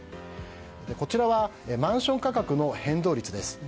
こちらはマンション価格の変動率です。